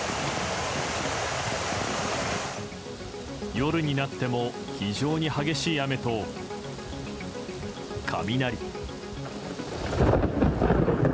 夜になっても非常に激しい雨と雷。